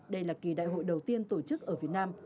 đây là kỳ đại hội đầu tiên tổ chức ở việt nam